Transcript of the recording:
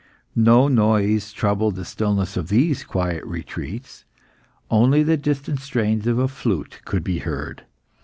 No noise troubled the stillness of these quiet retreats. Only the distant strains of a flute could be heard.